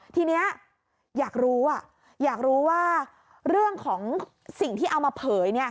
ทีนี้อยากรู้อยากรู้ว่าเรื่องของสิ่งที่เอามาเผย